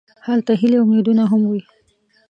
هلته هیلې او امیدونه هم وي.